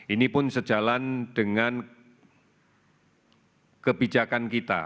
ini pun sejalan dengan kebijakan kita